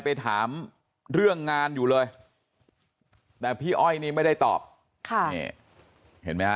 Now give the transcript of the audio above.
ไปถามเรื่องงานอยู่เลยแต่พี่อ้อยนี่ไม่ได้ตอบค่ะนี่เห็นไหมฮะ